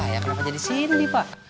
saya kenapa jadi cindy pak